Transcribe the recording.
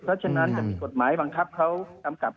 เพราะฉะนั้นจะมีกฎหมาย